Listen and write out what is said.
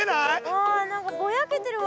うん何かぼやけてるわ。